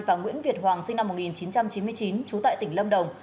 và nguyễn việt hoàng sinh năm một nghìn chín trăm chín mươi chín trú tại tỉnh lâm đồng